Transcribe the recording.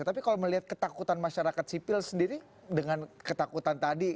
tapi kalau melihat ketakutan masyarakat sipil sendiri dengan ketakutan tadi